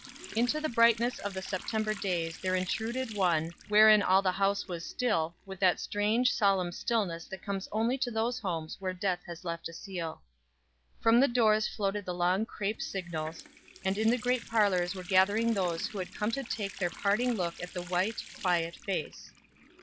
Into the brightness of the September days there intruded one, wherein all the house was still, with that strange, solemn stillness that comes only to those homes where death has left a seal. From the doors floated the long crape signals, and in the great parlors were gathering those who had come to take their parting look at the white, quiet face.